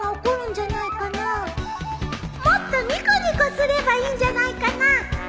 もっとニコニコすればいいんじゃないかな